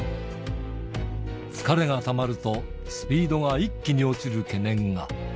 疲れがたまると、スピードが一気に落ちる懸念が。